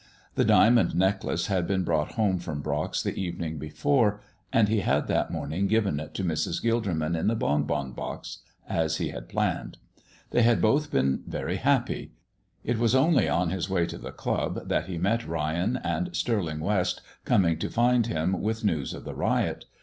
The diamond necklace had been brought home from Brock's the evening before, and he had that morning given it to Mrs. Gilderman in the bon bon box, as he had planned. They had both been very happy. It was only on his way to the club that he met Ryan and Stirling West coming to find him with news of the riot.